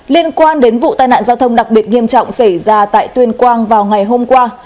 liên quan đến vụ tai nạn giao thông đặc biệt nghiêm trọng xảy ra tại tuyên quang vào ngày hôm qua